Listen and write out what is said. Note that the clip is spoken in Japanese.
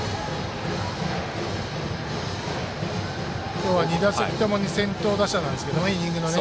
今日は２打席ともに先頭打者なんですね、イニングの。